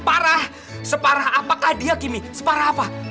parah separah apakah dia gini separah apa